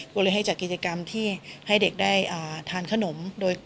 ก็เลยให้จัดกิจกรรมที่ให้เด็กได้ทานขนมโดย